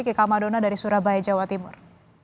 kika madona dari surabaya jawa timur